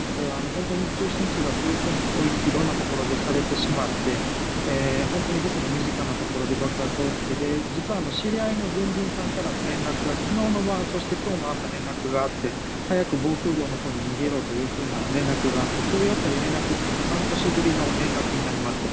本当に中心地がこういうふうにいろんなところで攻撃されてしまって本当に僕の身近なところで爆発が起きて実は、知り合いの軍人さんからも昨日の晩、そして今日の朝連絡があって早く防空壕のほうに逃げろというような連絡があってこういう連絡というのは半年ぶりの連絡になります。